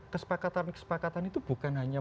kesepakatan kesepakatan itu bukan hanya